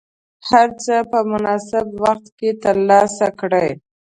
هر څه به په مناسب وخت کې ترلاسه کړې.